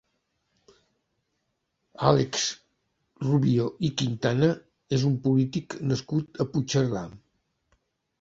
Àlex Rubio i Quintana és un polític nascut a Puigcerdà.